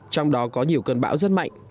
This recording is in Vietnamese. trong đó có nhiều cơn bão rất mạnh